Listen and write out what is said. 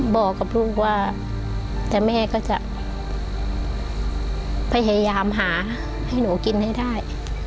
บอกกับลูกว่าแต่แม่ก็จะพยายามหาให้หนูกินให้ได้